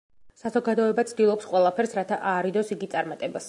საზოგადოება ცდილობს ყველაფერს, რათა აარიდოს იგი წარმატებას.